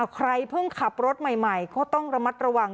ใครเพิ่งขับรถใหม่ก็ต้องระมัดระวัง